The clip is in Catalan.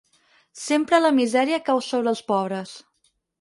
Sempre la misèria cau sobre els pobres.